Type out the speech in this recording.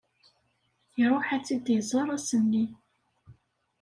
Iruḥ ad tt-id-iẓer ass-nni.